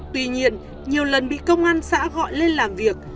tuy nhiên nhiều lần bị công an xã gọi lên làm việc